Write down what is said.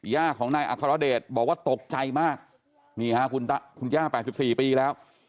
ย่าของนายอัครเดชบอกว่าตกใจมากนี่ฮะคุณตาคุณย่าแปดสิบสี่ปีแล้ว